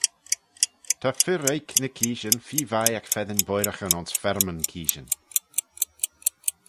Ta fir-oik ny keeshyn feer vie ec feddyn boiraghyn ayns ferrymyn keeshyn.